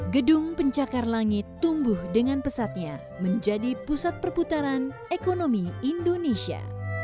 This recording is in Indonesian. gedung pencakar langit tumbuh dengan pesatnya menjadi pusat perputaran ekonomi indonesia